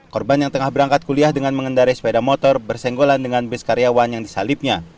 korban yang tengah berangkat kuliah dengan mengendarai sepeda motor bersenggolan dengan bus karyawan yang disalipnya